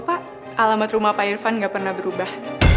bapak alamat rumah pak irfan gak pernah berubah